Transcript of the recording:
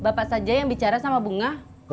bapak saja yang bicara sama bunga